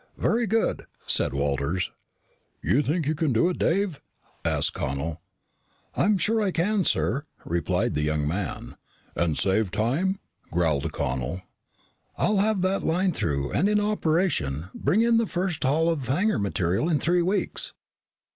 "Very good," said Walters. "You think you can do it, Dave?" asked Connel. "I'm sure I can, sir," replied the young man. "And save time?" growled Connel. "I'll have that line through, and in operation, bringing in the first haul of hangar material in three weeks."